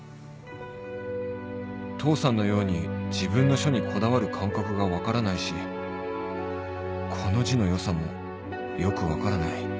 父さんのように自分の書にこだわる感覚が分からないしこの字の良さもよく分からない